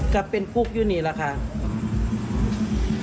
ก็เป็นกุ๊กอยู่นี่ล่ะค่ะอืม